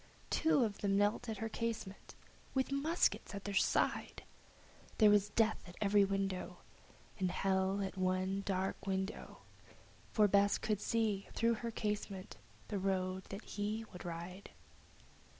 Two of them knelt at her casement, with muskets by their side; There was Death at every window, And Hell at one dark window, For Bess could see, through her casement, the road that he would ride.